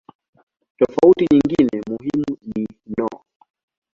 Tofauti nyingine muhimu ni no.